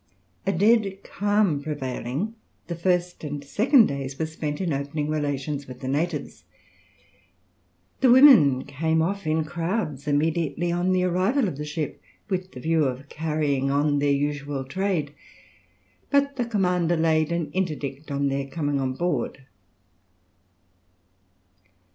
A dead calm prevailing, the first and second days were spent in opening relations with the natives. The women came off in crowds immediately on the arrival of the ship, with the view of carrying on their usual trade, but the commander laid an interdict on their coming on board.